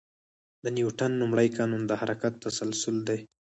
د نیوتن لومړی قانون د حرکت تسلسل دی.